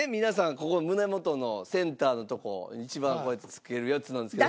ここ胸元のセンターのとこ一番こうやってつけるやつなんですけど。